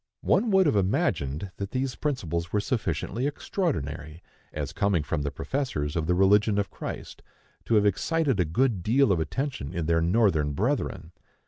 One would have imagined that these principles were sufficiently extraordinary, as coming from the professors of the religion of Christ, to have excited a good deal of attention in their Northern brethren.